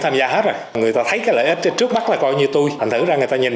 tham gia hết rồi người ta thấy cái lợi ích trên trước mắt là coi như tôi thành thử ra người ta nhìn